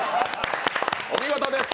お見事です。